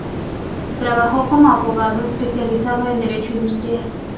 Trabajó como abogado, especializado en derecho industrial.